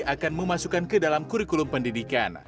akan memasukkan ke dalam kurikulum pendidikan